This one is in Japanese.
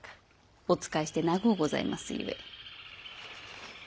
お仕えして長うございますゆえ。